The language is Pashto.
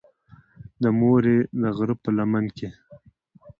د مورې د غرۀ پۀ لمن کښې